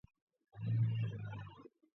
იყო პირველი ქართული სრულმეტრაჟიანი ფილმი.